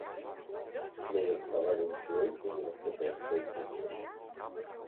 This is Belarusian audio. Мяне цкавалі ўсёй універсітэцкай групай.